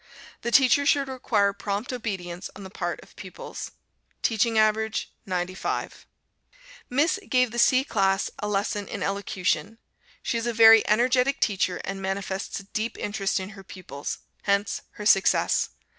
The teacher should require prompt obedience on the part of pupils. Teaching average 95. Miss gave the C class a lesson in Elocution. She is a very energetic teacher, and manifests a deep interest in her pupils hence, her success.